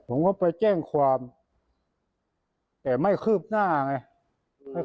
ผมก็ไปแจ้งความแต่ไม่คืบหน้าไง